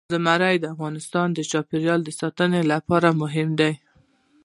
زمرد د افغانستان د چاپیریال ساتنې لپاره مهم دي.